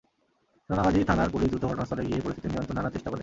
সোনাগাজী থানার পুলিশ দ্রুত ঘটনাস্থলে গিয়ে পরিস্থিতি নিয়ন্ত্রণে আনার চেষ্টা করে।